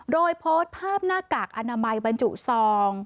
โดยโพสต์ภาพหน้ากากอนามัยบรรจุซอง